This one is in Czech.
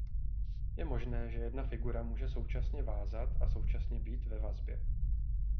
Je možné že jedna figura může současně vázat a současně být ve vazbě.